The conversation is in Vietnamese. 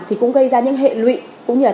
thì cũng gây ra những hệ lụy cũng như là